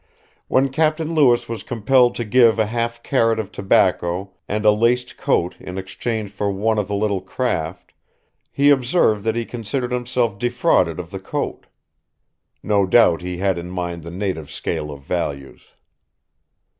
When Captain Lewis was compelled to give a half carrot of tobacco and a laced coat in exchange for one of the little craft, he observed that he considered himself defrauded of the coat. No doubt he had in mind the native scale of values.